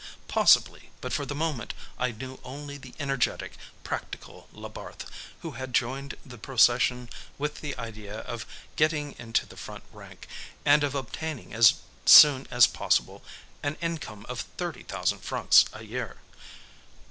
Possibly, but for the moment I knew only the energetic, practical Labarthe, who had joined the procession with the idea of getting into the front rank, and of obtaining as soon as possible an income of thirty thousand francs a year.